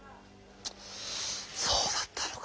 そうだったのか。